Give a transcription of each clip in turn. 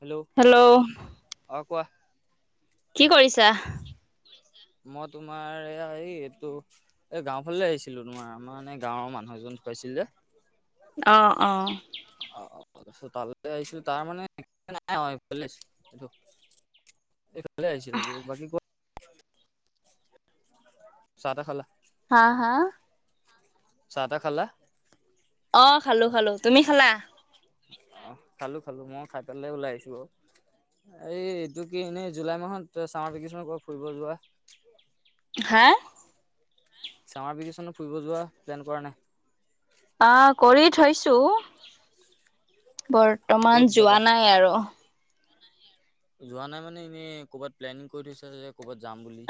Hello. Hello কোৱা? কি কৰিছা? মই তোমাৰ এয়া এই এইটো এ গাও ফালে আহিছিলো। তোমাৰ মই মানে গাঁওৰ মানুহ এজন ঢুকাইছিল। ছিল যে। অ অ। তালে আহছিলো তাৰ মানে নাই আৱ। এইফালে আহিছিল ত বাকী ক। চাহঁ তাহ খালা হা হা? চাহ তাহ খালা অ খালো খালো তুমি খালা- অ খালো খালো মই খাই পেলাই ওলাই আহিছো। এই এইটো কি এনেই জুলাই মাহত চামাৰ ভেকেশন কহ ফুৰিব যোৱা। হা। চামাৰ ভেকেশ্যনত ফুৰিব যোৱা প্লেন কৰা নাই আহ কৰি থৈছো। ক'ত বৰ্তমান যাবা যোৱা নাই আৰু যোৱা নাই মানে এনেই ক'ৰবাত প্লেনিং কৰি থৈছে যে ক'ৰবাত যাম বুলি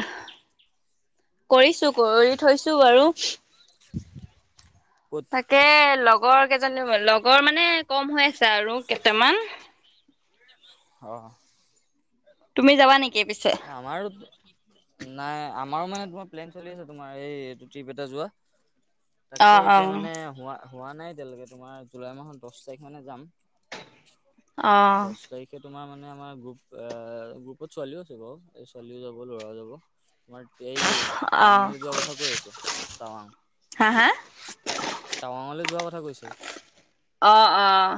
কৰিছো কৰি থৈছো বাৰু ক'ত তাকে লগ লগৰ কেইজনী লগৰ মানে কম হৈ আছে আৰু কেইটামান অ তুমি যাবা নেকি পিছে? আমাৰো নাই আমাৰো মানে তোমাৰ প্লেন চলি আছে তোমাৰ এই এইটো ট্ৰিপ এটা যোৱা তাকে অ', এতিয়া অ'। মানে হোৱা হোৱা নাই এতিয়ালৈকে তোমাৰ জুলাই মাহৰ দহ তাৰিখ মানে যাম অহঁ দহ তাৰিখে তোমাৰ মানে আমাৰ গ্ৰুপ আহ গ্ৰুপত ছোৱালীও আছে বাৰু এই ছোৱালীও যাব ল'ৰাও যাব তোমাৰ এই টাৱাংলৈ যোৱা কথা কৈ আছে টাৱাং হা হা? টাৱাংলৈ যোৱা কথা কৈছে। অহঁ অহঁ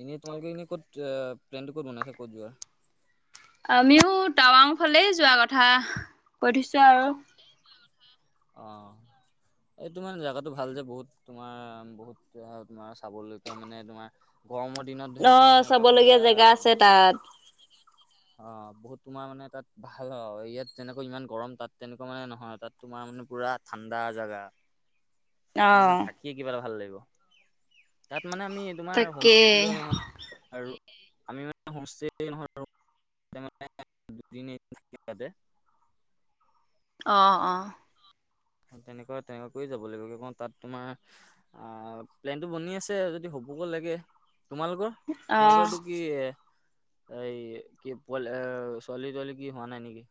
এনেই তোমালোকে এনে ক'ত প্লেনটো ক'ত বনাইছা ক'ত যোৱা আমিও টাৱাং ফালে যোৱা কথা কৈ থিছোঁ আৰু অহঁ এইটো মানে জেগাটো ভাল যে বহুত তোমাৰ বহুত তোমাৰ চাবলৈকীয়া মানে তোমাৰ গৰমৰ দিনত ধৰিলো তোমাৰ অ', একে চাবলগীয়া পুৰা জেগা আছে তাত। অ বহুত তোমাৰ মানে তাত ভাল ইয়াত তেনেকুৱা ইমান গৰম তাত তেনেকুৱা মানে নহয় তাত তোমাৰ মানে পুৰা ঠাণ্ডা জেগা তাত মানে অ'। থাকিয়ে কিবা এটা ভাল লাগিব তাত মানে আমি তোমাৰ হোম তাকে ল নহ আৰু আমি হোম এতিয়া মানে দুদিন থাকিবা যে [inaudible] অহ অহ তেনেকুৱা তেনেকুৱা কৰি যাব লাগিব কওঁ তাত তোমাৰ আহ প্লেনটো বনি আছে যদি কব লাগে তোমালোকৰ অ', তোমালোকৰটো কি এ এই কি পল চলি তলি কি হোৱা নাই নেকি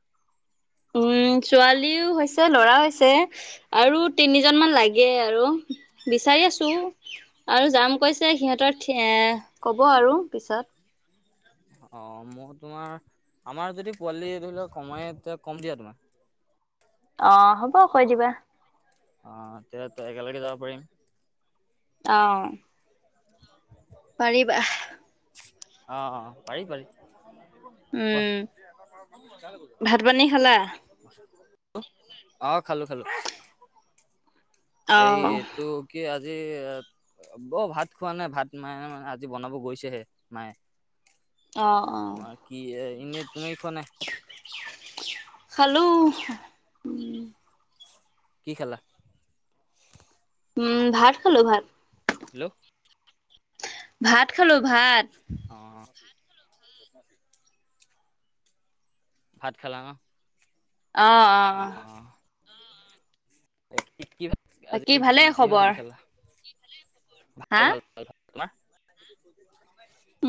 উম ছোৱালীও হৈছে ল'ৰা হৈছে আৰু তিনি কেইজনমান লাগে আৰু বিচাৰি আছো আৰু যাম কৈছে সিহঁতৰ এ কব আৰু পিছত অহ, মও তোমাৰ আমাৰ যদি পোৱালি ধৰি লওক কমাই তেতিয়া কম দিয়া তোমাক অহ, হব কৈ দিবা অহ, তেতিয়া একেলগে যাব পাৰিম। আ-ও পাৰিবা। আ', - অ', পাৰি - পাৰি। ৱাহ উম, ভাত পানী খালা? অ', খালো -খালো এই অ'। তোৰ কি আজি অহ ভাত খোৱা নাই ভাত মায়ে মানে আজি বনাব গৈছেহে মায়ে অ', অ', তোমাৰ কি এনেই তুমি খোৱা নাই? হ্ল' উম কি খালা? উম, ভাত খালো ভাত। হেল্ল', ভাত খালো ভাত। অ [unintelligible] ভাত খালা নহ। অহ- অহ বাকী ভালেই খবৰ? [unintelligible] হা? ভাল ভাল ভাল ভাল তোমাৰ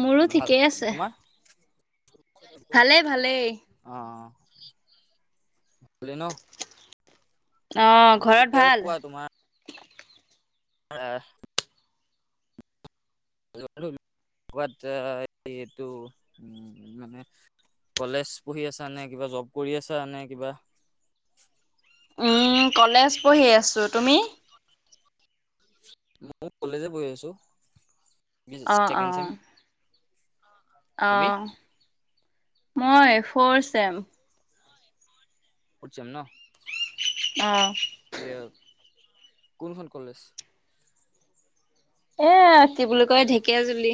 মোৰো ঠিকেই আছে। ভালেই ভালেই। [unintelligible] অহ অহ, ঘৰত ভাল? আহ [unintelligible] তু মানে [unintelligible] কলেজ পঢ়ি আছা নে কিবা জব কৰি আছা নে কিবা? উম, কলেজ পঢ়ি আছো তুমি? মইও কলেজে পঢ়ি আছোঁ। অহ -অহ - তুমি অহ। মই ফৰ চেম। ফৰট চেম নহ? অহ। কিয়? এহ কি বুলি কয় ঢেকীয়াজুলি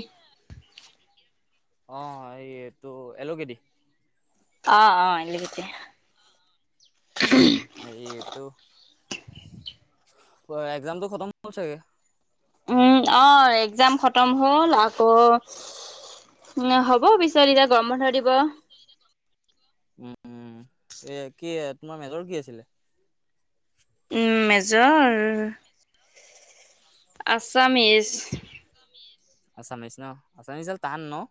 অহ, এইটো এলোগেদি অহ- অহ এলগটিয়া। উম, এয়েটো। একজামটো খতম হল চাগে? উম, অহ একজাম খতম হ'ল আকৌ উম, হ'ব পিছত এতিয়া গৰম বন্ধ দিব। উম, এ কি তোমাৰ মেজৰ কি আছিলে? উম, মেজৰ আছামিছ। আছামিছ নহ আছামিজেৰ তান নহ?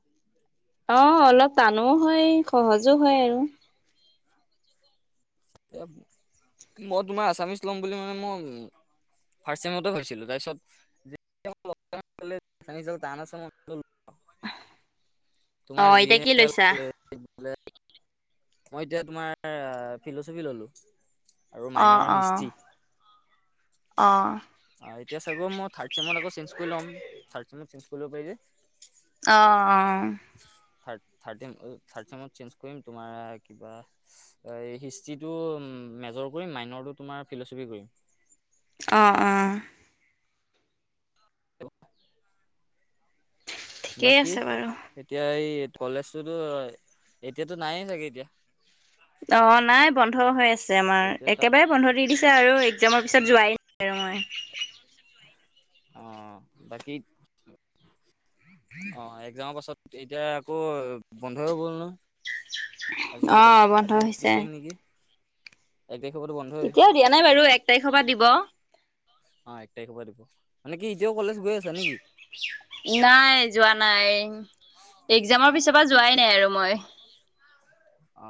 অহ, অলপ টানো হয় সহজো হয় আৰু। মই তোমাৰ আছামিচ লম বুলি মানে মই ফাষ্ট চেমতে ভাবিছিলোঁ তাৰপিছত আমি চল তানা চ ম [unintelligible] তোমাৰ অ' এতিয়া কি যিহে লৈছা? মই এতিয়া তোমাৰ ফিলচফি ললোঁ আৰু মাইনৰ হিষ্টি অহঁ অ এতিয়া চাগে মই থাৰ্ড চেমত আকৌ চেঞ্জ কৰি ল'ম থাৰ্ড চেমত চেঞ্জ কৰি লব পাৰি যে অহ অহ থাৰ্ড থাৰ্ড চেমত চেঞ্জ কৰিম তোমাৰ কিবা হিষ্টিতো মেজৰ মেজৰ কৰিম মাইনৰটো তোমাৰ ফিলচফি কৰিম। অহ অহ ঠিকেই বাকী আছে বাৰু। এতিয়া এই কলেজতোতো এতিয়াতো নাইে চাগে এতিয়া অ নাই বন্ধ হৈ আছে এতিয়া আমাৰ একেবাৰে বন্ধ দি দিছে আৰু একজামৰ পিছত যোৱাই নাই আৰু হয়। অ বাকী অ একজামৰ পাছত এতিয়া আকৌ বন্ধ হৈ গ'ল নহঁ। আজি অ কেই তাৰিখ বন্ধ আজি হৈছে ঊনত্ৰিশ তাৰিখ নেকি। এক তাৰিখৰ পৰাতো বন্ধই এতিয়াও দিয়া নাই বাৰু এক তাৰিখৰ পৰা দিব অ একতাৰিখৰ পৰা দিব মানে কি এতিয়াও কলেজ গৈ আছা নেকি নাই যোৱা নাই একজামৰ পিছৰ পৰা যোৱাই নাই আৰু মই অ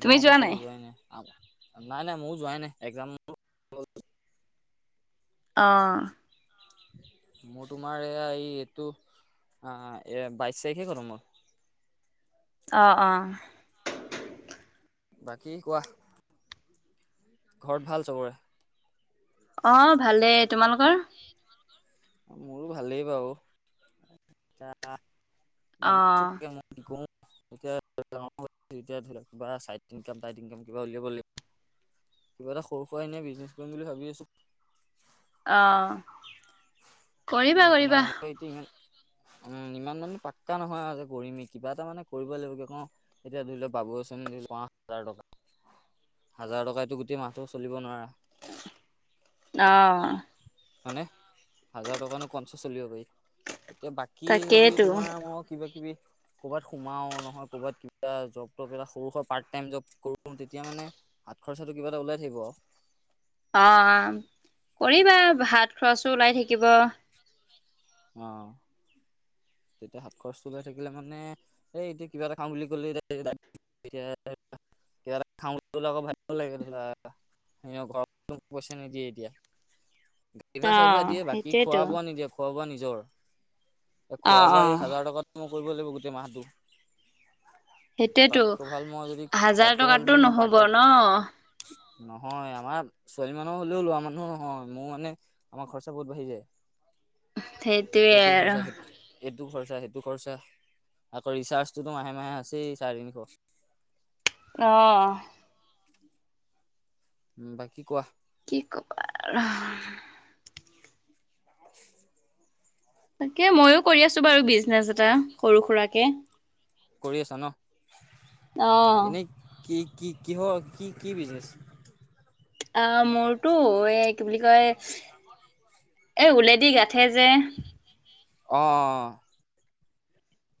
তুমি যোৱা পাছৰ নাই পৰা যোৱাই নাই। নাই নাই মইও যোৱাই এহ নাই একজাম অহ মোৰ তোমাৰ এইয়া এই এইটো এ বাইশ তাৰিখে খতম হল অহ অহ বাকী কোৱা। ঘৰত ভাল চবৰে অ ভালেই তোমালোকৰ মোৰো ভালেই বাৰু অ ভি [unintelligible] এতিয়া, এতিয়া কিবা চাইট কাম কিবা উলিয়াব লাগিব। কিবা এটা সৰু সুৰা এনে বিজনেছ কৰিম বুলি ভাবি আছোঁ। অ কৰিবা মানে তোমাৰ কৰিবা। এনেকৈ এতিয়া ইমান উম ইমান মান পাত এনেকুৱা নহয় আৰু যে কৰিমে কিবা এটা মানে কৰিব লাগিব এতিয়া ধৰি লওক বাবু আঁচনি পোৱা হাজাৰ টকা হাজাৰ টকাতো গোটেই মাহটো চলিব নোৱাৰা। অহ হয়নে হাজাৰ টকানো কঞ্চা চলিব পাৰি এতিয়া বাকী যদি তাকেইতো তোমাৰ মোক ক'বাত সোমাও নহয় ক'বাত কিবা জব টব এটা সৰুকে পাৰ্ট টাইম জব এটা কৰো তেতিয়া মানে হাঁত খৰচটাতো কিবা এটা ওলাই থাকিব। অহঁ কৰিবা ভাত খৰচো ওলাই থাকিব। অঁহ তেতিয়া হাত খৰচটো ওলাই থাকিলে মানে এই এতিয়া কিবা এটা খাম বুলি কলে এতিয়া কিবা এটা খাম বুলি কলে আকৌ ভাবিব লাগে ধৰা ঘৰতো পইচা নিদিয়ে এতিয়া অ দিয়ে বাকী খোৱা সেইটোৱেতো বোৱা নিদিয়ে খোৱা বোৱা নিজৰ এই অ খোৱা বোৱা অ এই হাজাৰ টকাত মই কৰিব লাগিব গোটেই মাহটো। সেইটোয়েতো তাতকৈ ভাল মই যদি হাজাৰ তাতকৈ ভাল টকাটো যদি মই পাৰ্ট নহব টাইম নহঁ। নহয় আমাৰ ছোৱালী মানুহ হলেও লোৱা মানুহো নহয় মোৰ মানে আমাৰ খৰচা বহুত বাঢ়ি যায়। সেইটোৱে এইটো আৰু। খৰচা সেই এইটো খৰচা সেইটো খৰচা আকৌ ৰিচাৰ্জটোতো মাহে মাহে আছেই চাৰে তিনিশ। অহঁ। বাকী কোৱা। কি কবা আৰু। [inaudible] তাকে মইয়ো কৰি আছো বাৰু বিজনেছ এটা সৰু সুৰাকে কৰি আছা নহঁ, অ এনেই কি কি কিহৰ কি কি বিজনেছ অ মোৰটো এই কি বুলি কয় এ উলেদি গোঠে যে অহঁ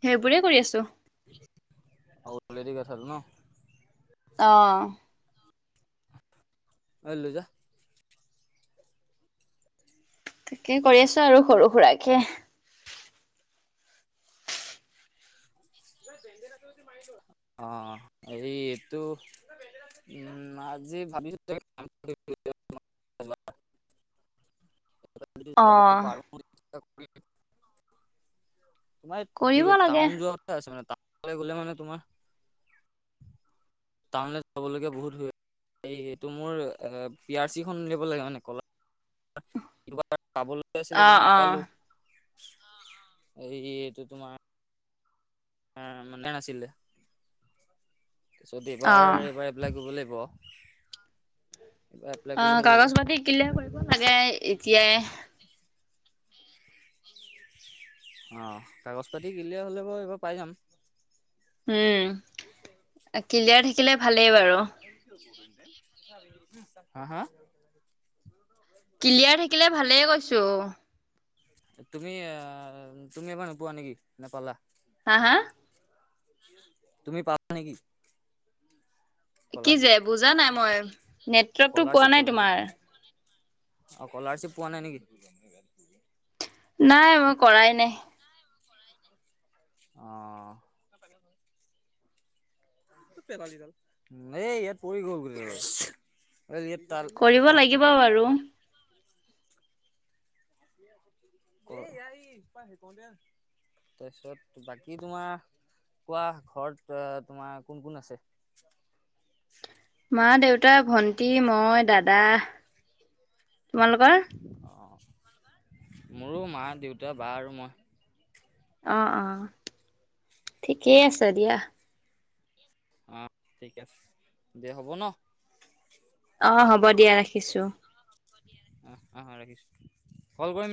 সেইবোৰে কৰি আছোঁ। আৰু ওলেদি গোথা টো নহঁ অঁ। লৈ যা। তাকেই কৰি আছো আৰু সৰু সুৰাকে। অঁ এই এইটো- উম আজি ভাবিছোঁ [unintelligible] অ যাব পাৰ [unintelligible] তোমাৰ কৰিব লাগে টাউন যোৱা কথা আছে মানে টাউনলে গ'লে মানে তোমাৰ- টাউনলৈ যাবলগীয়া বহুত হৈ- এই এইটো মোৰ পি আৰ চিখন উলিয়াব লাগে মানে কলা- কিবা পাবলৈ আছিলে অ কিন্তু অ নাপালো। এই এইটো তোমাৰ- মানে নাছিলে তাৰপিছত অ এইবাৰ এইবাৰ এপ্লাই কৰিব লাগিব। ব। অঁ কাগজ পাতি ক্লিয়াৰ কৰিব লাগে এতিয়াই। অঁ কাগজ পাতি ক্লিয়াৰ হ'লে বাৰু এইবাৰ পায় যাম। উম ক্লিয়াৰ থাকিলে ভালেই বাৰু। হাঁ হাঁ? ক্লিয়াৰ থাকিলে ভালেই কৈছোঁ। তুমি আহ তুমি এবাৰ নোপোৱা নেকি নেপালা? হা হা? তুমি পাবা নেকি। কি স্কলাৰশ্বিপ যে বুজা নাই মই নেটৱৰ্কতটো স্কলাৰশ্বিপ পোৱা নাই স্কলাৰশ্বিপ তোমাৰ। স্কলাৰশ্বিপ পোৱা নাই নেকি? নাই মই কৰাই নাই। অঁ। ন ইয়াত পৰি গ'ল গোটেইকেইডাল। কৰিব লাগিব বাৰু। তাৰপিছত বাকী তোমাৰ- কোৱা ঘৰত তোমাৰ কোন কোন আছে? [unintelligible] মা, দেউতা, ভন্টি, মই, দাদা, তোমালোকৰ? অঁ মোৰো মা, দেউতা, বা আৰু মই। অঁ অঁ ঠিকেই আছে দিয়া। অ ঠিক আছে দিয়া হ'ব ন। অঁ হ'ব দিয়া ৰাখিছো। আহ আহ ৰাখিছো কল কৰিম দি